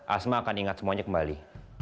asma akan ingat semuanya kembali